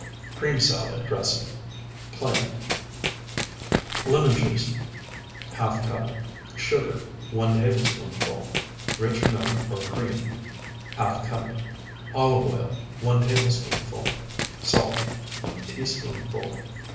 CREAM SALAD DRESSING (PLAIN) Lemon juice, ½ cup. Sugar, 1 tablespoonful. Rich milk or cream, ½ cup. Olive oil, 1 tablespoonful. Salt, 1 teaspoonful.